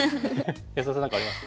安田さん何かあります？